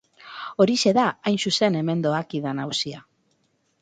Horixe da hain zuzen hemen doakidan auzia.